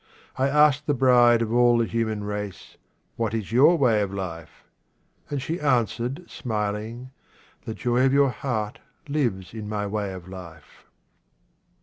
I asked the bride of all the human race, " What is your way of life ?" And she answered, smiling, "The joy of your heart lives in my way of life."